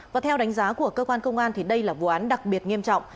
và theo đánh giá của cơ quan công an đây là vụ án đặc biệt nghiêm trọng